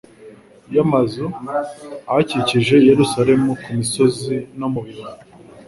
y'amazu. Ahakikije i Yerusalemu ku misozi no mu bibaya